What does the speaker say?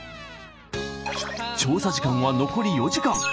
調査時間は残り４時間。